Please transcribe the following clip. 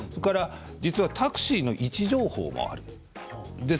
実はタクシーの位置情報もあります。